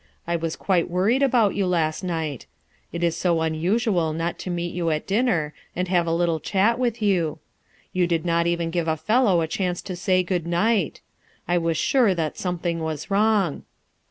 "I was quite worried about you last night. It is so unusual not to meet you at dinner and have a little chat with you. You did not even give a fellow a chance to say good night I I was JUSTICE OR MERCY? 237 sure that something was wrong."